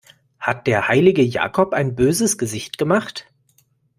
Hat der heilige Jakob ein böses Gesicht gemacht?